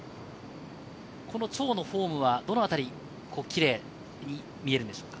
チョウのフォームはどのあたりがキレイに見えるんでしょうか？